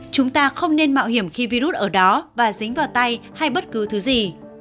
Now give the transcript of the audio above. chúng ta không nên mạo hiểm khi virus ở đó và dính vào tay hay bất cứ thứ gì